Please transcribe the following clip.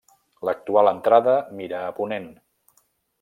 L'actual entrada mira a ponent.